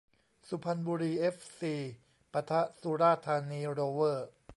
สุพรรณบุรีเอฟซี ปะทะ สุราษฎร์ธานีโรเวอร์